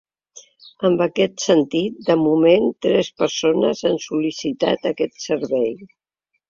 En aquest sentit, de moment tres persones han sol·licitat aquest servei.